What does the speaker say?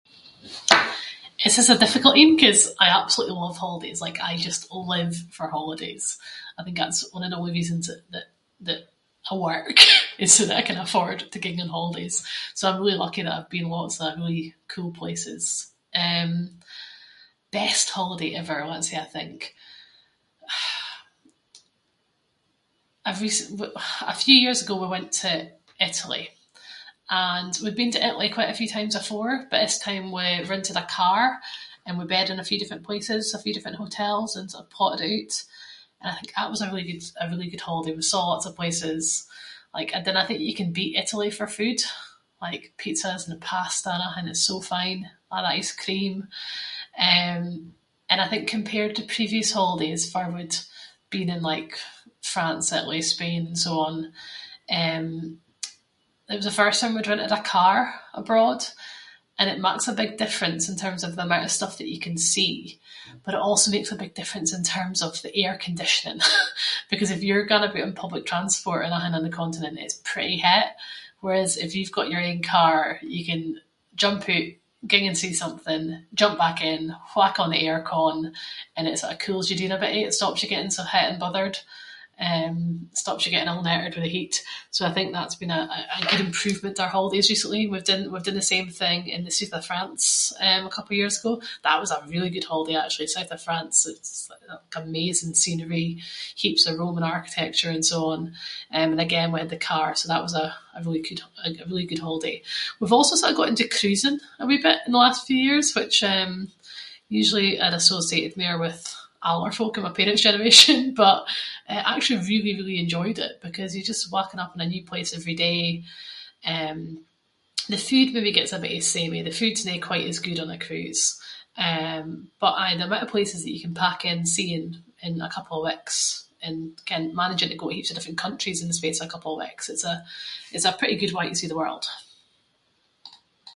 This is a difficult ain ‘cause I absolutely love holidays, like I just live for holidays. I think that’s one of the only reasons that- that- that I work, is so that I can afford to ging on holidays. So, I’m really lucky that I’ve been lots of really cool places. Eh, best holiday ever, let’s hae a think. I recent- a few years ago we went to Italy. And we’d been to Italy quite a few times afore, but this time we rented a car, and we bed in a few different places, a few different hotels and sort off potted it oot. And I think that was a really good- a really good holiday, we saw lots of places. Like I dinna think you can beat Italy for food, like pizzas and pasta and athing, it’s so fine, a’ the ice cream. Eh and I think compared to previous holidays, farr we’d been in like France, Italy, Spain, and so on, eh, it was the first time we’d rented a car abroad. And it maks a big difference in terms of the amount of stuff that you can see, but it also makes a big difference in terms of the air-conditioning because if you’re going about in public transport and athing on the continent, it’s pretty hot. Whereas if you’ve got your own car, you can jump oot, ging and see something, jump back in, whack on the aircon and it sort of cools you doon a bittie. It stops you getting so hot and bothered, eh stops you getting a’ knackered with the heat. So I think that’s been a- a good improvement to our holidays recently. We’ve done- we’ve done the same thing in the sooth of France, eh a couple of years ago, that was a really good holiday actually, south of France it’s like amazing scenery, heaps of roman architecture and so on, and again we had the car, so that was a really good- a really good hoiday. We’ve also sort of got into cruising a wee bit in the last few years, which eh, usually I’d associated mair with older folk and my parents’ generation. But, I actually really really enjoyed it, because you just waken up in a new place every day, eh, the food maybe gets a bittie samey, the food’s no quite as good on a cruise. Eh, but aye, the amount of places that you can pack in seeing in a couple of weeks, and ken managing to go to heaps of different countries in the space of a couple of weeks, it’s a- it’s a pretty good way to see the world.